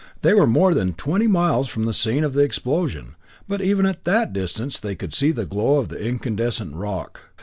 They were more than twenty miles from the scene of the explosion, but even at that distance they could see the glow of the incandescent rock.